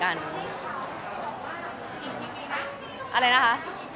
อะไรนะคะ